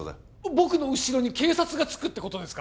僕の後ろに警察がつくってことですか？